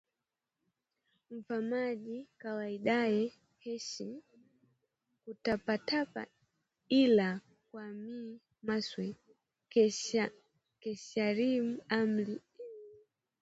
Mfa maji kawaidaye heshi kutapatapa ila kwa Me Masewa keshasalimu amri